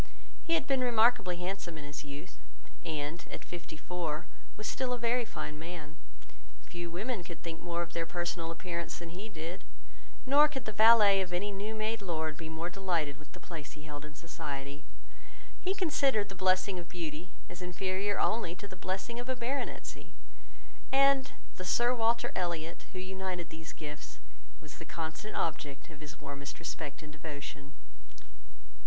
He had been remarkably handsome in his youth; and, at fifty four, was still a very fine man. Few women could think more of their personal appearance than he did, nor could the valet of any new made lord be more delighted with the place he held in society. He considered the blessing of beauty as inferior only to the blessing of a baronetcy; and the Sir Walter Elliot, who united these gifts, was the constant object of his warmest respect and devotion.